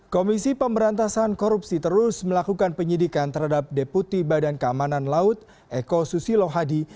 komisi pemberantasan korupsi terus melakukan penyidikan terhadap deputi badan keamanan laut eko susilo hadi